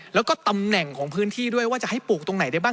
แล้วก็ตำแหน่งของพื้นที่ด้วยว่าจะให้ปลูกตรงไหนได้บ้าง